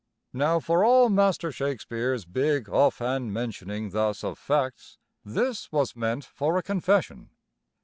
Now for all Master Shakespeare's big, off hand mentioning thus of facts, this was meant for a confession.